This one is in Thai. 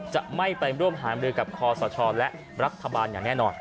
จะไม่ไปร่วมหามรือกับคอสชและรัฐบาลอย่างแน่นอน